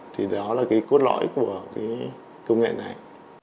thì đó là cái cốt lõi của cái công nghệ này